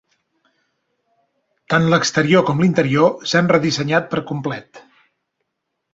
Tant l'exterior com l'interior s'han redissenyat per complet.